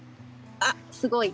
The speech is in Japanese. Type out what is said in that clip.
あっすごい。